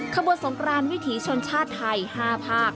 ขบวนสงกรานวิถีชนชาติไทย๕ภาค